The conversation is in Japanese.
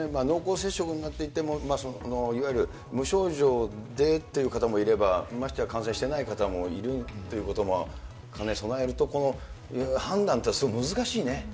濃厚接触になっていても、いわゆる無症状でっていう方もいれば、ましてや感染していない方もいるということも兼ね備えると、この判断っていうのはすごく難しいね。